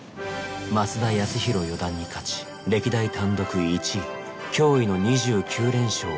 増田康宏四段に勝ち歴代単独１位驚異の２９連勝を達成。